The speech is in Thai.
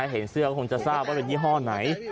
เห็นเสื้อคงจะทราบว่าเป็นยี่ห้อไหน